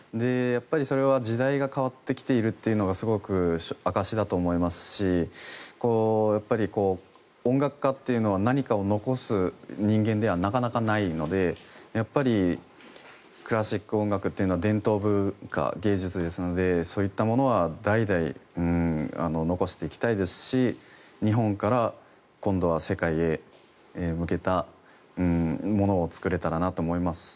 それは時代が変わってきているというのがすごく証しだと思いますし音楽家っていうのは何かを残す人間ではなかなかないのでやっぱりクラシック音楽というのは伝統文化、芸術ですのでそういったものは代々残していきたいですし日本から今度は世界へ向けたものを作れたらなと思います。